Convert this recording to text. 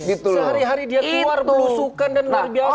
itu sehari hari dia keluar belusukan dan terbiasa